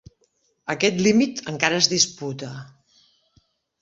Aquest límit encara es disputa.